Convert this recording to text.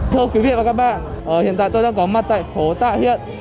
thưa quý vị và các bạn hiện tại tôi đang có mặt tại phố tạ hiện